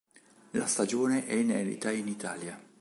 La stagione è inedita in Italia.